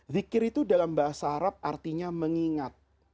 zikir itu dalam bahasa arab artinya mengingat